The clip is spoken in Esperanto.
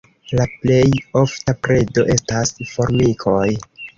La plej ofta predo estas formikoj.